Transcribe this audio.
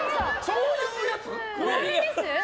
そういうやつ？